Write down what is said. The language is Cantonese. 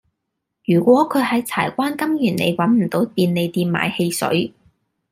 如果佢喺柴灣金源里搵唔到便利店買汽水